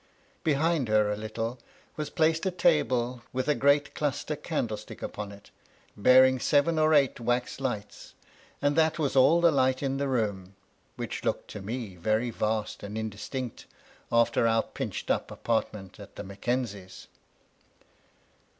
Behind her a little was placed a table with a great cluster candlestick 8 BOUND THE SOFA. upon it, bearing seven or eight wax lights ; and that was all the light in the room, which looked to me yery vast and indistinct after om* pinched up apartment at the Mackenzie's.